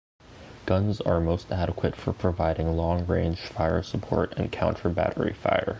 Guns are most adequate for providing long range fire support and counter-battery fire.